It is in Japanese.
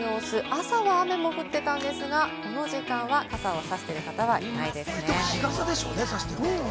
朝は雨も降っていたんですが、この時間は傘をさしている方はいさしてる方は日傘でしょうね。